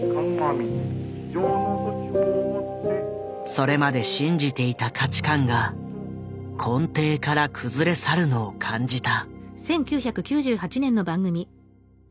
それまで信じていた価値観が根底から崩れ去るのを感じた。